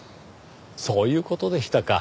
そういう事でしたか。